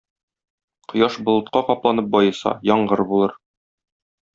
Кояш болытка капланып баеса, яңгыр булыр.